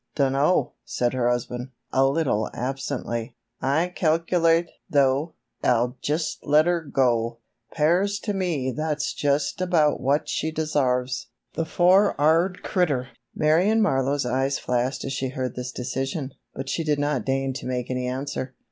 "Dunno," said her husband, a little absently. "I calkerlate, tho', I'll jest ler 'er go! 'Pears tew me that's about what she desarves, the for'ard critter!" Marion Marlowe's eyes flashed as she heard this decision, but she did not deign to make any answer.